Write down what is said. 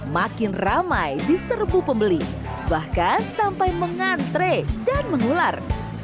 makin ramai diserbu pembeli bahkan sampai mengantre dan mengular